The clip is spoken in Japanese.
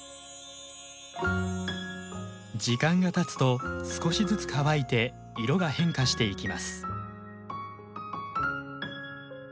時間がたつと少しずつ乾いて色が変化していきます。